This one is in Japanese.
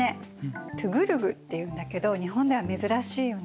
トゥグルグっていうんだけど日本では珍しいよね。